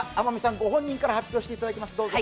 御本人から発表していただきます。